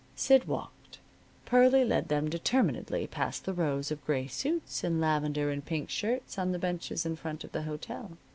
Sid walked. Pearlie led them determinedly past the rows of gray suits and lavender and pink shirts on the benches in front of the hotel.